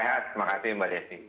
sehat terima kasih mbak desi